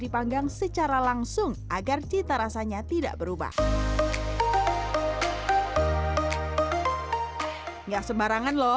bener banget kayak mobil